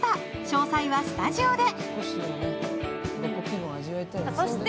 詳細はスタジオで。